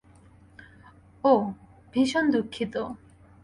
ওহ, ভীষণ দুঃখিত।